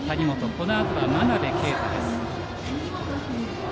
このあとは真鍋慧です。